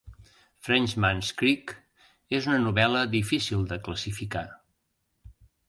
"Frenchman's Creek" és una novel·la difícil de classificar.